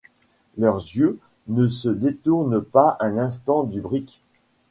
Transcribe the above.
Leurs yeux ne se détournent pas un instant du brick.